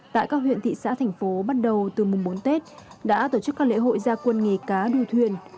tại các huyện thị xã thành phố bắt đầu từ mùng bốn tết đã tổ chức các lễ hội gia quân nghề cá đua thuyền